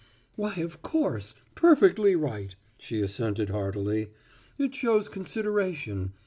"Why, of course, perfectly right," she assented heartily. "It shows consideration.